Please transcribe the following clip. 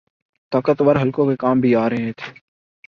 طاقتور حلقوں کے کام بھی آرہے تھے۔